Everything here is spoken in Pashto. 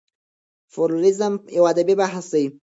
فورمالېزم يو ادبي بحث دی.